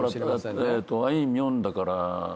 えーっとあいみょんだから。